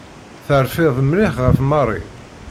Terfiḍ mliḥ ɣef Mary.